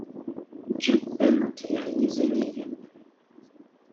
Ǧǧet tallunt gar yizirigen.